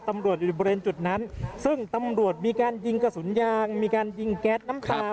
มีการยิงกระสุนยางมีการยิงแก๊สน้ำตา